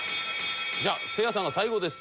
じゃあせいやさんが最後です。